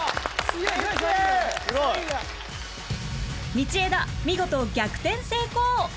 道枝見事逆転成功！